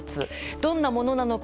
どんなものなのか。